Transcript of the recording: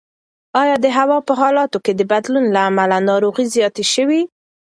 ایا د هوا په حالاتو کې د بدلون له امله ناروغۍ زیاتې شوي؟